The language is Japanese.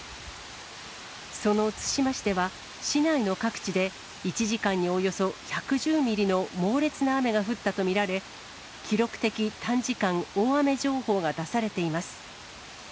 その対馬市では、市内の各地で１時間におよそ１１０ミリの猛烈な雨が降ったと見られ、記録的短時間大雨情報が出されています。